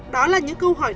đó là những câu hỏi đặt ra